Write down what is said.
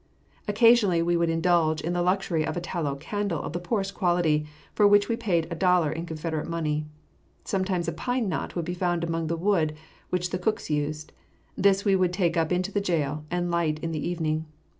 Occasionally we would indulge in the luxury of a tallow candle of the poorest quality, for which we paid a dollar in Confederate money. Sometimes a pine knot would be found among the wood which the cooks used. This we would take up into the jail and light in the evening.